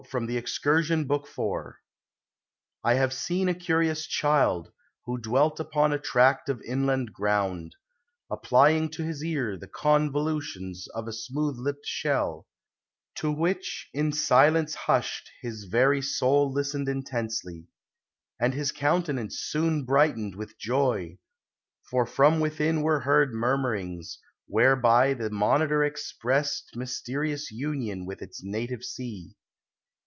FROM "THE EXCURSION," BOOK IV. I have seen A curious child, who dwelt upon a tract Of inland ground, applying to his ear The convolutions of a smooth lipped shell; To which, in silence hushed, his very soul Listened intensely; and his countenance soon Brightened with joy; for from within were heard Murmurings, whereby the monitor expressed Mysterious union with its native sea.